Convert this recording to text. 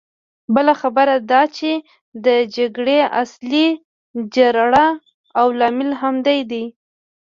بله خبره دا چې د جګړې اصلي جرړه او لامل همدی دی.